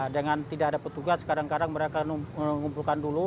dengan tidak ada petugas kadang kadang mereka mengumpulkan dulu